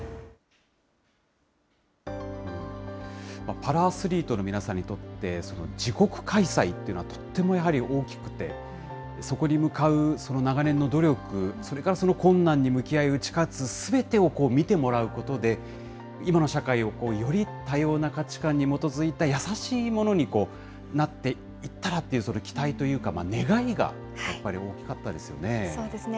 パラアスリートの皆さんにとって、自国開催というのはとってもやはり大きくて、そこに向かう、その長年の努力、それから困難に向き合い打ち勝つすべてを見てもらうことで、今の社会を、より多様な価値観に基づいた優しいものになっていったらっていう、その期待というか、願いが、やっぱり大きかったですよね。